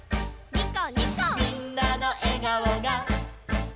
「みんなの笑顔が」「」